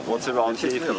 jadi kita bisa lebih senang